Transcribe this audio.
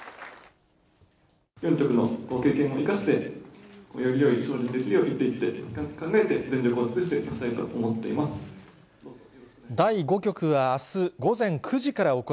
４局の経験を生かして、よりよい将棋にできるように、考えて、全力を尽くして指したい第５局はあす午前９時から行